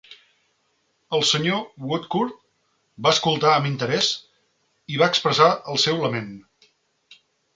El senyor Woodcourt va escoltar amb interès i va expressar el seu lament.